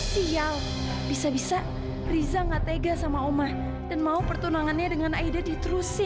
sial bisa bisa riza gak tega sama omah dan mau pertunangannya dengan aida diterusin